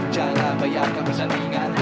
jangan bayangkan persandingan